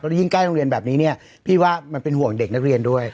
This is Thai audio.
ยิ่งใกล้โรงเรียนแบบนี้เนี่ยพี่ว่ามันเป็นห่วงเด็กนักเรียนด้วย